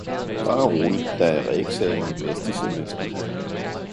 Bare rolig, der er reeksamen næste semester.